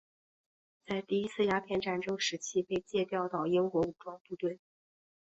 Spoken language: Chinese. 在第一次鸦片战争时期被借调到英国武装部队。